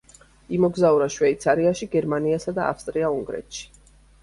იმოგზაურა შვეიცარიაში, გერმანიასა და ავსტრია-უნგრეთში.